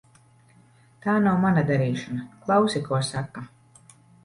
Tā nav mana darīšana. Klausi, ko saka.